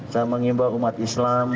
saya mengimbau umat islam